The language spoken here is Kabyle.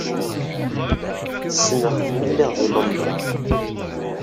Ssneɣ-t mi lliɣ deg London.